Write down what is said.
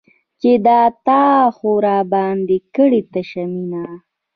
چې دا تا خو رابار کړې تشه مینه